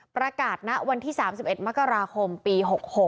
ประกาศณะวันที่๓๑มกราคมปี๖๖